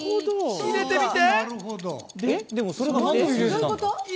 入れてみて。